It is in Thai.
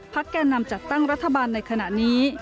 แก่นำจัดตั้งรัฐบาลในขณะนี้